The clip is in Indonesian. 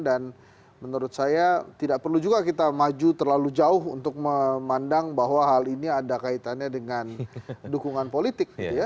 dan menurut saya tidak perlu juga kita maju terlalu jauh untuk memandang bahwa hal ini ada kaitannya dengan dukungan politik